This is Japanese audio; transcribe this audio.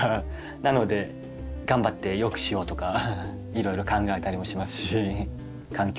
なので頑張って良くしようとかいろいろ考えたりもしますし環境